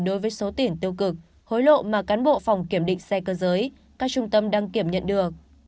đối với số tiền tiêu cực hối lộ mà cán bộ phòng kiểm định xe cơ giới các trung tâm đăng kiểm nhận được